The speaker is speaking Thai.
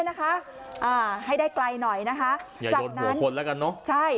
เลยนะคะอ้าวให้ได้ไกลหน่อยนะคะอย่าโดดหัวคนแล้วกันเนอะใช่